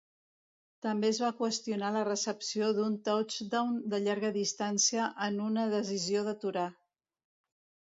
També es va qüestionar la recepció d'un touchdown de llarga distància en una decisió d'aturar.